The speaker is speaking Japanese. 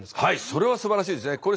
はいそれはすばらしいですね。